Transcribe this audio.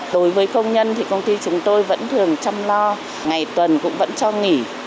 đối với công nhân thì công ty chúng tôi vẫn thường chăm lo ngày tuần cũng vẫn cho nghỉ